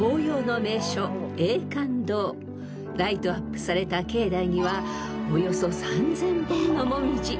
［ライトアップされた境内にはおよそ３，０００本のもみじ］